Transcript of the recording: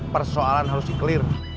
persoalan harus di clear